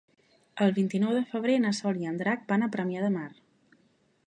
El vint-i-nou de febrer na Sol i en Drac van a Premià de Mar.